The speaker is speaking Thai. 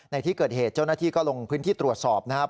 ในที่เกิดเหตุเจ้าหน้าที่ก็ลงพื้นที่ตรวจสอบนะครับ